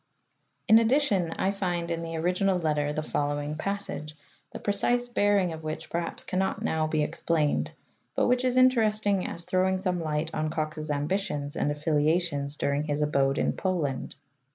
In addition I find in the original letter the following passage, the precise bearing of which perliaps cannot now be explained, but which is interesting as throwing some light on Cox's ambitions and affiliations during his abode in Poland.